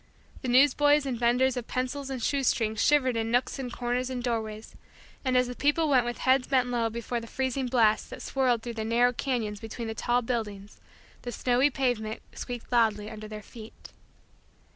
The newsboys and vendors of pencils and shoestrings shivered in nooks and corners and doorways and, as the people went with heads bent low before the freezing blast that swirled through the narrow canyons between the tall buildings, the snowy pavement squeaked loudly under their feet.